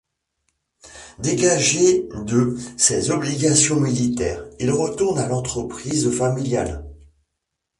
Dégagé de ses obligations militaires, il retourne à l'entreprise familiale.